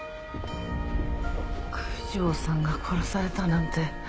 九条さんが殺されたなんて。